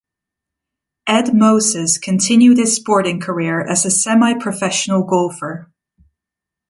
Ed Moses continued his sporting career as a semi-professional golfer.